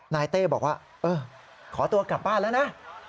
เต้บอกว่าเออขอตัวกลับบ้านแล้วนะ